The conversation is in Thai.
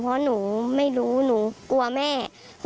เพราะหนูไม่รู้หนูกลัวแม่